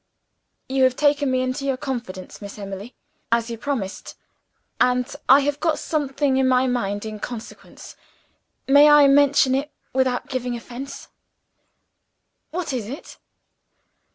"You have taken me into your confidence, Miss Emily, as you promised and I have got something in my mind in consequence. May I mention it without giving offense?" "What is it?"